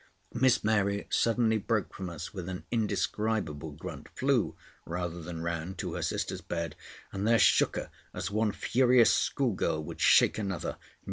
Miss Mary suddenly broke from us with an indescribable grunt, flew, rather than ran, to her sister's bed, and there shook her as one furious schoolgirl would shake another.